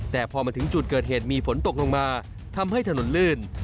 แต่พอมาถึงจุดเกิดเหตุมีฝนตกลงมาทำให้ถนนลื่น